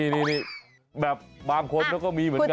นี่แบบบางคนเขาก็มีเหมือนกัน